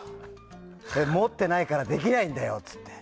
持ってないからできないんだよって言って。